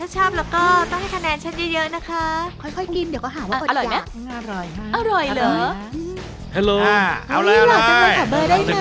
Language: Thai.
จ๊อกครับจ๊อก